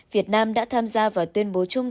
việt nam đã tham gia và tuyên bố chung